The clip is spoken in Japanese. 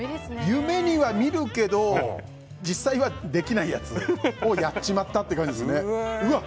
夢には見るけど実際はできないやつをやっちまったって感じですね。